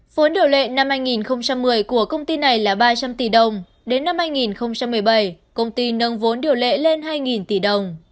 vốn điều lệ năm hai nghìn một mươi của công ty này là ba trăm linh tỷ đồng đến năm hai nghìn một mươi bảy công ty nâng vốn điều lệ lên hai tỷ đồng